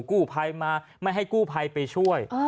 กู้ภัยมาไม่ให้กู้ภัยไปช่วย